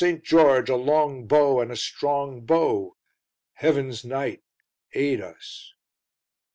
St. George! a long bow and a strong bow." "Heaven's Knight, aid us!"